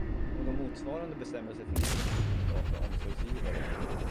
Någon motsvarande bestämmelse finns inte för privata omsorgsgivare.